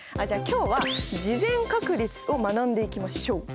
じゃあ今日は事前確率を学んでいきましょう！